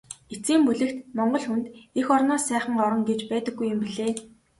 Эцсийн бүлэгт Монгол хүнд эх орноос сайхан орон гэж байдаггүй юм билээ.